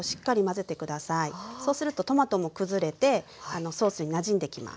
そうするとトマトも崩れてソースになじんできます。